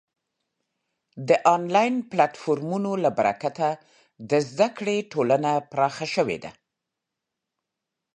د آنلاین پلتفورمونو له برکته د زده کړې ټولنې پراخه شوې ده.